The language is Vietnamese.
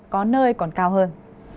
có nơi còn cao hơn